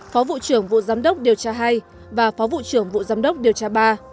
phó vụ trưởng vụ giám đốc điều tra hai và phó vụ trưởng vụ giám đốc điều tra ba